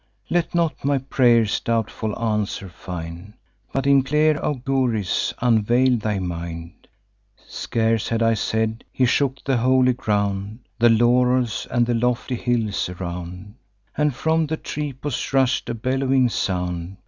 Let not my pray'rs a doubtful answer find; But in clear auguries unveil thy mind.' Scarce had I said: he shook the holy ground, The laurels, and the lofty hills around; And from the tripos rush'd a bellowing sound.